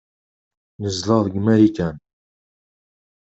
Nezdeɣ deg Marikan.